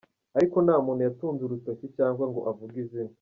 Ariko nta muntu yatunze urukoti cyangwa ngo avuge izina.